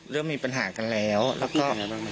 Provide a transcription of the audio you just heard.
เริ่มมีปัญหากันแล้วแล้วก็